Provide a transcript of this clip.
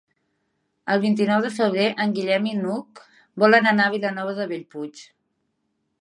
El vint-i-nou de febrer en Guillem i n'Hug volen anar a Vilanova de Bellpuig.